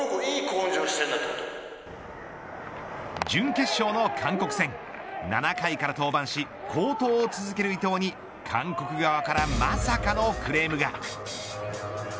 準決勝の韓国戦７回から登板し好投を続ける伊藤に韓国側からまさかのクレームが。